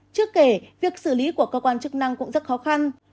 chưa kể việc xử lý của cơ quan chức năng cũng rất khó khăn